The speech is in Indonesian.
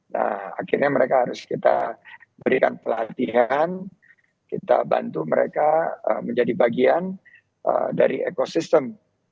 nah akhirnya mereka harus kita berikan pelatihan kita bantu mereka menjadi bagian dari ekosistem